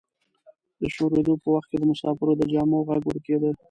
د شورېدو په وخت کې د مسافرو د جامو غږ ورکیده.